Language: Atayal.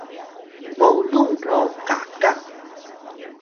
molung ro kakang